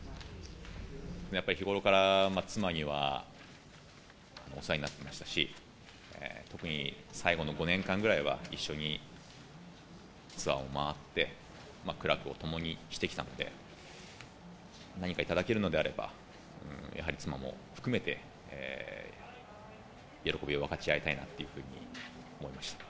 やっぱり日頃から妻にはお世話になってましたし、特に、最後の５年間くらいは一緒にツアーを回って、苦楽を共にしてきたので、何か頂けるのであれば、やはり妻も含めて、喜びを分かち合いたいなっていうふうに思いました。